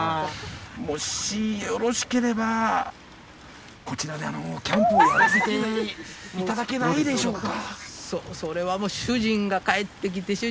もしよろしければこちらでキャンプをやらせていただけないでしょうか？